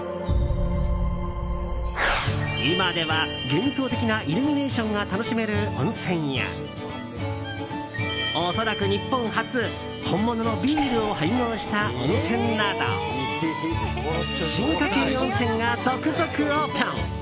今では幻想的なイルミネーションが楽しめる温泉や恐らく日本初本物のビールを配合した温泉など進化形温泉が続々オープン。